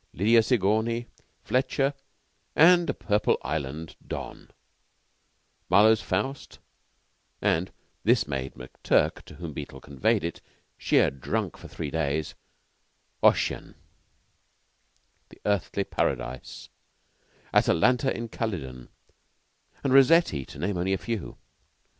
Lydia Sigourney; Fletcher and a purple island; Donne; Marlowe's "Faust"; and this made McTurk (to whom Beetle conveyed it) sheer drunk for three days Ossian; "The Earthly Paradise"; "Atalanta in Calydon"; and Rossetti to name only a few.